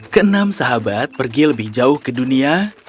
keenam sahabat pergi lebih jauh ke dunia